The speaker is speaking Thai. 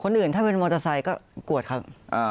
อื่นถ้าเป็นมอเตอร์ไซค์ก็กวดครับ